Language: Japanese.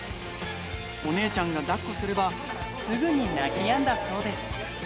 お姉ちゃんがだっこすれば、すぐに泣きやんだそうです。